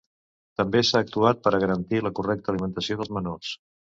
També s’ha actuat per a garantir la correcta alimentació dels menors.